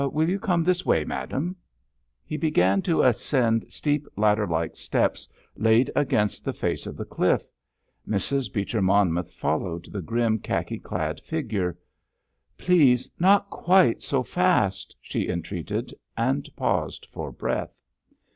"Will you come this way, madame?" He began to ascend steep ladder like steps laid against the face of the cliff. Mrs. Beecher Monmouth followed the grim khaki clad figure. "Please, not quite so fast," she entreated, and paused for breath.